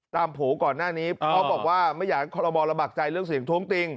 ตามผูก่อนหน้านี้พอบอกว่าไม่อยากคอรบอระบักใจเรื่องเสียงทุกข์ติง